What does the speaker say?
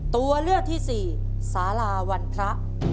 ตัวเลือกที่สี่สาราวันพระ